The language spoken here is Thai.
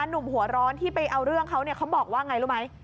หนุ่มหัวร้อนที่ไปเอาเรื่องเขาเขาบอกว่าไงรู้ไหม